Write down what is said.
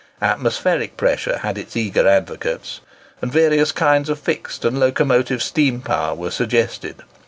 Atmospheric pressure had its eager advocates. And various kinds of fixed and locomotive steam power were suggested.